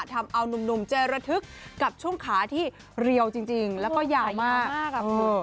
ทำเอานุ่มเจอระทึกกับช่วงขาที่เรียวจริงแล้วก็ยาวมากอ่ะคุณ